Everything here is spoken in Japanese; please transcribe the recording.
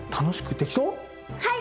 はい！